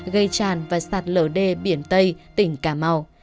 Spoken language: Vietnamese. gây tràn và sạt lở đê biển tây tỉnh cà mau